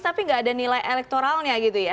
tapi nggak ada nilai elektoralnya gitu ya